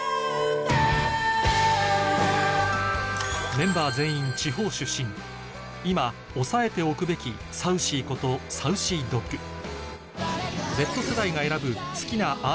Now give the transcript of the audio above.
メンバー全員地方出身今押さえておくべきサウシーことＳａｕｃｙＤｏｇマカえんや